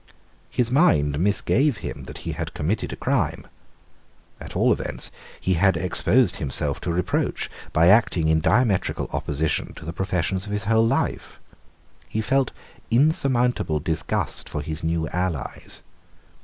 His mind misgave him that he had committed a crime. At all events he had exposed himself to reproach, by acting in diametrical opposition to the professions of his whole life. He felt insurmountable disgust for his new allies.